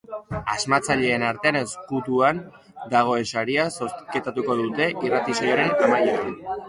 Asmatzaileen artean ezkutuan dagoen saria zozketatuko dute irratsaioaren amaieran.